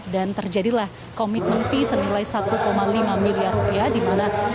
dan terjadilah komitmen fee semilai satu lima miliar rupiah